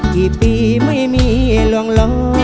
กี่ปีไม่มีลวงล้อ